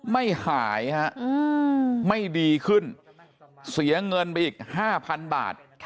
ไม่หายฮะไม่ดีขึ้นเสียเงินไปอีก๕๐๐๐บาท